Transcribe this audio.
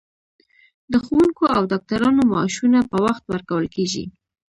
د ښوونکو او ډاکټرانو معاشونه په وخت ورکول کیږي.